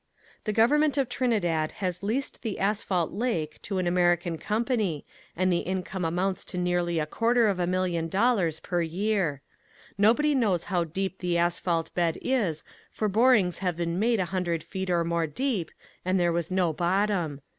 The government of Trinidad has leased the asphalt lake to an American company and the income amounts to nearly a quarter of a million dollars per year. Nobody knows how deep the asphalt bed is for borings have been made a hundred feet or more deep and there was no bottom.